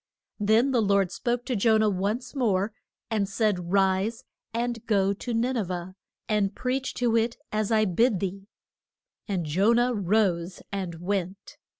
Then the Lord spoke to Jo nah once more, and said, Rise, and go to Nin e veh, and preach to it as I bid thee. And Jo nah rose and went.